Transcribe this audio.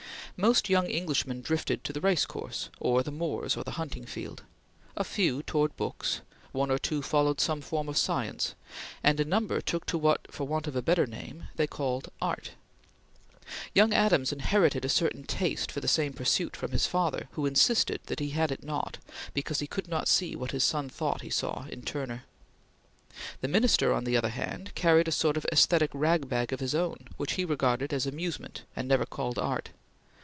Most young Englishmen drifted to the race course or the moors or the hunting field; a few towards books; one or two followed some form of science; and a number took to what, for want of a better name, they called Art. Young Adams inherited a certain taste for the same pursuit from his father who insisted that he had it not, because he could not see what his son thought he saw in Turner. The Minister, on the other hand, carried a sort of aesthetic rag bag of his own, which he regarded as amusement, and never called art.